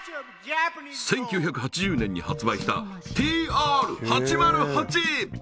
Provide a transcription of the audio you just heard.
１９８０年に発売したＴＲ−８０８